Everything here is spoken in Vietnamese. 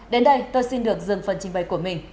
đến đây tôi xin được dừng phần trình bày của mình